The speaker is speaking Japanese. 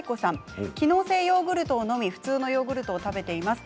機能性ヨーグルトを飲み普通のヨーグルトを食べています。